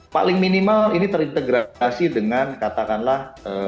paling minimal ini terintegrasi dengan katakanlah